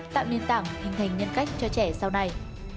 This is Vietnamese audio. tạo nền tảng hình thành nhân cách cho trẻ sau này